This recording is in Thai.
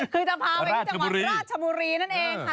คือจะพาไปที่จังหวัดราชบุรีนั่นเองค่ะ